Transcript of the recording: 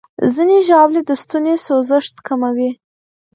ځینې ژاولې د ستوني سوځښت کموي.